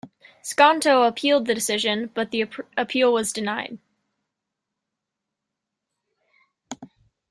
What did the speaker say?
Skonto appealed the decision, but the appeal was denied.